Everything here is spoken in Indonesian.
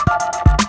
kau mau kemana